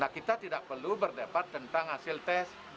kita tidak perlu berdebat tentang hasil tes